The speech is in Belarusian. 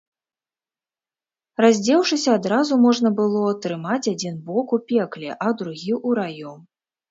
Раздзеўшыся, адразу можна было трымаць адзін бок у пекле, а другі ў раю.